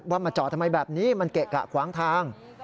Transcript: มาจอดทำไมแบบนี้มันเกะกะขวางทาง